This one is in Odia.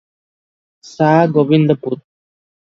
ସା ଗୋବିନ୍ଦପୁର ।